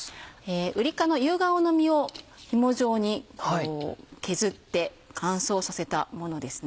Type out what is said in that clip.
ウリ科の夕顔の実をひも状に削って乾燥させたものですね。